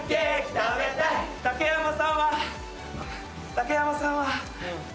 竹山さんは。